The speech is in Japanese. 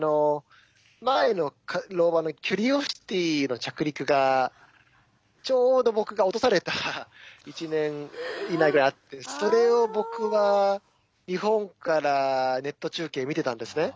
前のローバーのキュリオシティの着陸がちょうど僕が落とされた１年以内ぐらいにあってそれを僕は日本からネット中継見てたんですね。